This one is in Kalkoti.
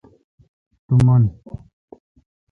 تو من